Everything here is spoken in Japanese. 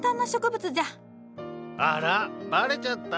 あらバレちゃった？